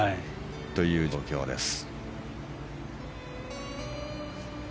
という状況です。